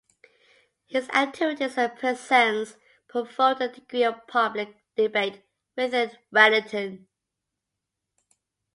His activities and presence provoked a degree of public debate within Wellington.